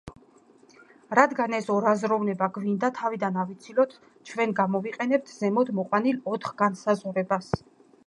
რადგან ეს ორაზროვნება გვინდა თავიდან ავიცილოთ, ჩვენ გამოვიყენებთ ზემოთ მოყვანილ ოთხ განსაზღვრებას.